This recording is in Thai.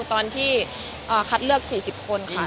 ตอนที่คัดเลือก๔๐คนค่ะ